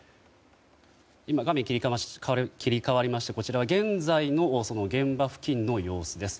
画面切り替わりましてこちらは現在の現場付近の様子です。